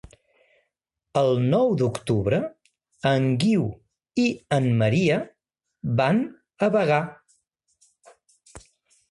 El nou d'octubre en Guiu i en Maria van a Bagà.